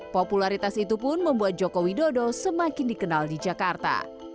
popularitas itu pun membuat joko widodo semakin dikenal di jakarta